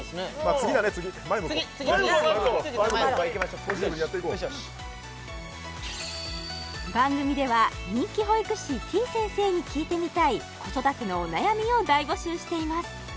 次だね次前向こうねっ前向こうポジティブにやっていこう番組では人気保育士てぃ先生に聞いてみたい子育てのお悩みを大募集しています